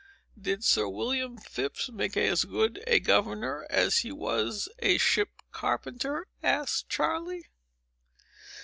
"Did Sir William Phips make as good a governor as he was a ship carpenter?" asked Charley.